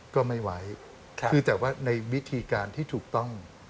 ก็ไม่ไว้คือแต่ว่าในวิธีการที่ถูกต้อง